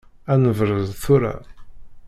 Ad nebrez tura.